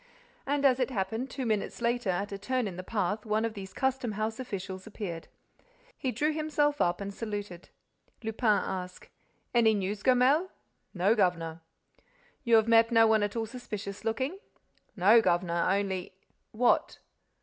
And, as it happened, two minutes later, at a turn in the path, one of these custom house officials appeared. He drew himself up and saluted. Lupin asked: "Any news, Gomel?" "No, governor." "You've met no one at all suspicious looking?" "No, governor—only—" "What?"